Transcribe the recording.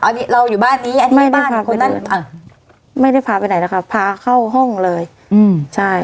อ่าเราอยู่บ้านนี้ไม่ได้พาไปด้วยไม่ได้พาไปไหนนะคะพาเข้าห้องเลยอืมใช่